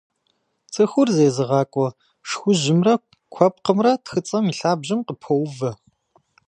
Цӏыхур зезыгъакӏуэ шхужьымрэ куэпкъымрэ тхыцӏэм и лъабжьэм къыпоувэ.